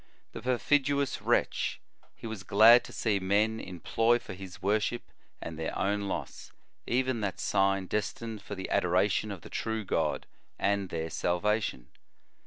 The perfidi ous wretch ! he was glad to see men employ for his worship and their own loss, even that si^n destined for the adoration of the true o God, and their salvation.